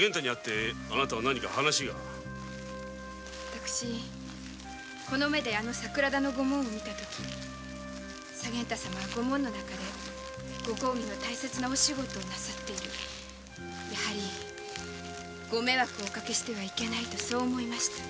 私この目で桜田の御門を見た時左源太様は御門の中で御公儀の大切なお仕事をなさっている御迷惑をおかけしてはいけないってそう思いました。